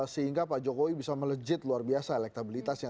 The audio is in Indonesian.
sehingga pak jokowi bisa melejit luar biasa elektabilitasnya